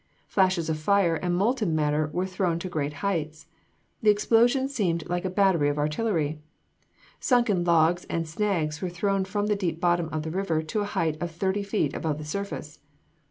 Flashes of fire and molten matter were thrown to great heights. The explosions seemed like a battery of artillery. Sunken logs and snags were thrown from the deep bottom of the river to a height of thirty feet above the surface.